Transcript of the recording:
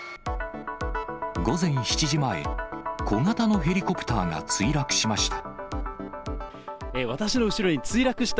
午前７時前、小型のヘリコプターが墜落しました。